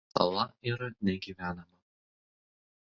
Sala yra negyvenama.